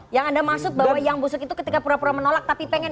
yang anda maksud bahwa yang busuk itu ketika pura pura menolak tapi pengen